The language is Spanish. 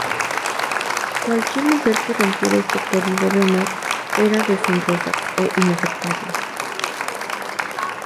Cualquier mujer que rompiera este código de honor era deshonrosa e inaceptable.